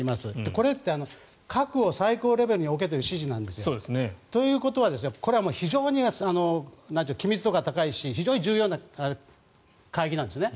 これって核を最高レベルに置けという指示なんです。ということは非常に機密度が高いし非常に重要な会議なんですね。